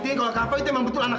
dia lepasin kaki gua